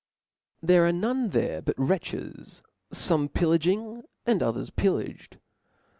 There are none there but wretches, fome pilr laging, and others pillaged.